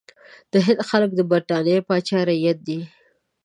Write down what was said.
د هند خلک د برټانیې پاچا رعیت دي.